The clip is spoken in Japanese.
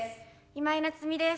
今井菜津美です。